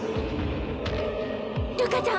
瑠夏ちゃん！